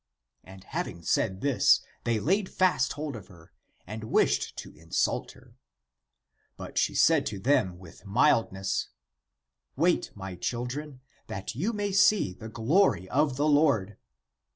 And having said this, they laid fast hold of her, and wished to insult her. But she said to them with mildness :' Wait my children, that you may see 34 THE APOCRYPHAL ACTS the glory of the Lord.'